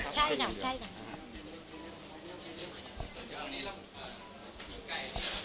ใช่ค่ะใช่ค่ะ